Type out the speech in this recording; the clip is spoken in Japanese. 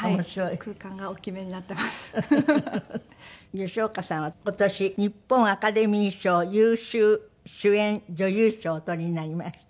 吉岡さんは今年日本アカデミー賞優秀主演女優賞をお取りになりました。